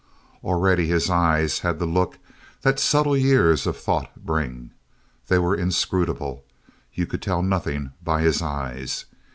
Already his eyes had the look that subtle years of thought bring. They were inscrutable. You could tell nothing by his eyes.